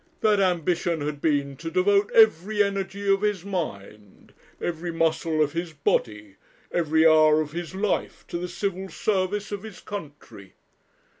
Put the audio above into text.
That ambition had been to devote every energy of his mind, every muscle of his body, every hour of his life, to the Civil Service of his country.